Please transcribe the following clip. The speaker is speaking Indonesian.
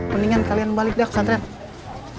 mendingan kalian balik ke pesantren